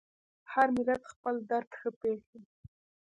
هر ملت خپل درد ښه پېژني.